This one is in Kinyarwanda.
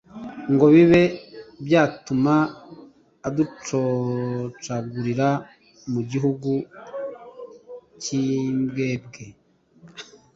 ngo bibe byatuma uducocagurira mu gihugu cy’imbwebwe